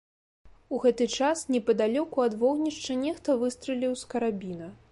У гэты час непадалёку ад вогнішча нехта выстраліў з карабіна.